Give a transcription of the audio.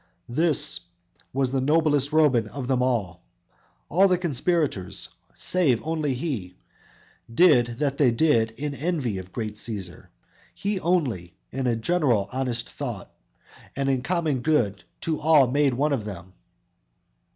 _"This was the noblest Roman of them all; All the conspirators, save only he Did that they did in envy of great Cæsar; He only in a general honest thought, And common good to all made one of them.